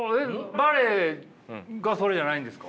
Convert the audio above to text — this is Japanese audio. バレエがそれじゃないんですか？